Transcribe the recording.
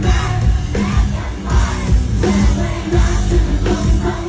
เธอบอกว่ามันจะมีชาติของเอง